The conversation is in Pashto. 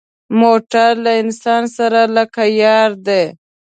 موټر له انسان سره لکه یار دی.